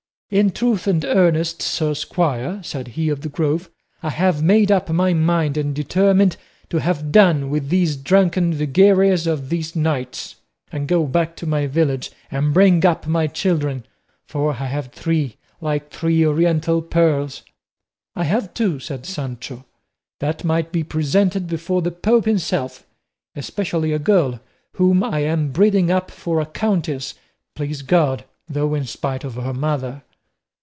"In truth and earnest, sir squire," said he of the Grove, "I have made up my mind and determined to have done with these drunken vagaries of these knights, and go back to my village, and bring up my children; for I have three, like three Oriental pearls." "I have two," said Sancho, "that might be presented before the Pope himself, especially a girl whom I am breeding up for a countess, please God, though in spite of her mother."